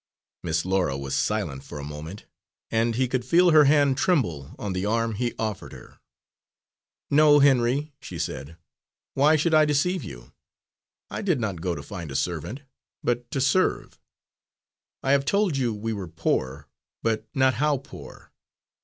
Miss Laura was silent for a moment and he could feel her hand tremble on the arm he offered her. "No, Henry," she said, "why should I deceive you? I did not go to find a servant, but to serve. I have told you we were poor, but not how poor.